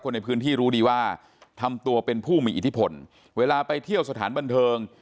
ในพื้นที่รู้ดีว่าทำตัวเป็นผู้มีอิทธิพลเวลาไปเที่ยวสถานบันเทิง